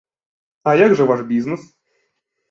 А як жа ваш бізнес?